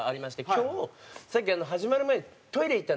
今日さっき始まる前にトイレ行ったんです。